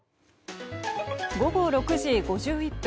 午後６時５１分。